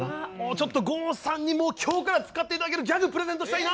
ちょっと郷さんにも今日から使って頂けるギャグプレゼントしたいな！